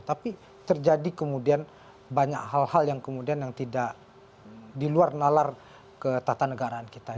tapi terjadi kemudian banyak hal hal yang kemudian yang tidak diluar nalar ketatanegaraan kita